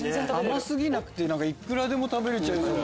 甘過ぎなくていくらでも食べれちゃいそう。